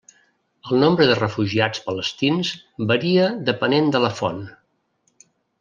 El nombre de refugiats palestins varia depenent de la font.